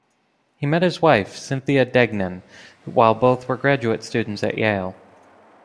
He met his wife, Cynthia Degnan, while both were graduate students at Yale.